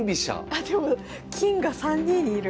あでも金が３二にいる。